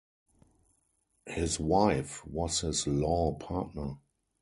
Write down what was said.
His wife was his law partner.